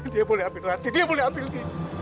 dia boleh ambil rati dia boleh ambil lia